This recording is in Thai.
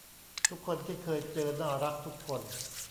ทุกคนที่เคยเจอน่ารักทุกคน